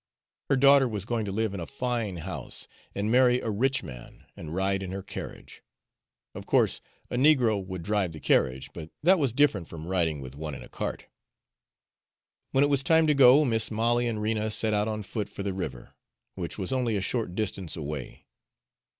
Her daughter was going to live in a fine house, and marry a rich man, and ride in her carriage. Of course a negro would drive the carriage, but that was different from riding with one in a cart. When it was time to go, Mis' Molly and Rena set out on foot for the river, which was only a short distance away.